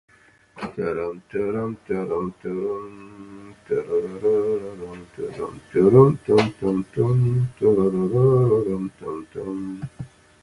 He became the first president of board of trustees in Baylor University.